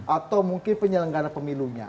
atau mungkin penyelenggara pemilunya